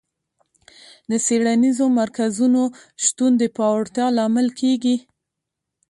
د څېړنیزو مرکزونو شتون د پیاوړتیا لامل کیږي.